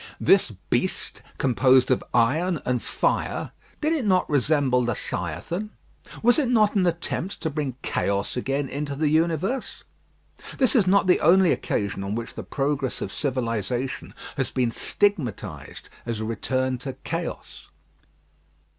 This beast, composed of iron and fire, did it not resemble Leviathan? Was it not an attempt to bring chaos again into the universe? This is not the only occasion on which the progress of civilisation has been stigmatised as a return to chaos.